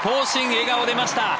笑顔出ました。